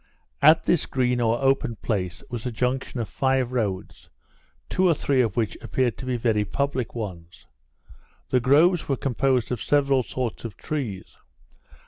At this green or open place, was a junction of five roads, two or three of which appeared to be very public ones. The groves were composed of several sorts of trees.